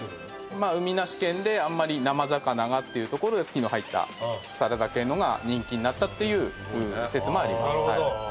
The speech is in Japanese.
海なし県であんまり生魚がっていうところでサラダ系のが人気になったっていう説もあります。